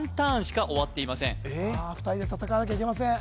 ターンさあ２人で戦わなきゃいけません